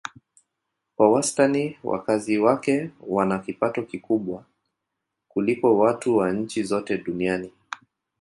Kwa wastani wakazi wake wana kipato kikubwa kuliko watu wa nchi zote duniani.